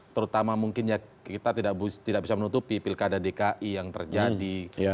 terutama mungkin ya kita tidak bisa menutupi pilkada dki yang terjadi